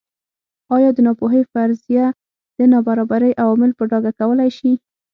ایا د ناپوهۍ فرضیه د نابرابرۍ عوامل په ډاګه کولای شي.